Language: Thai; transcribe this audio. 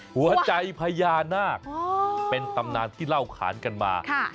หัวใจพญานาคเป็นตำนานที่เล่าขานกันมา